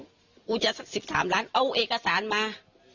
กูจะสัก๑๓ล้านเอาเอกสารมา